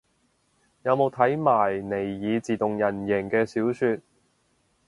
有冇睇埋尼爾自動人形嘅小說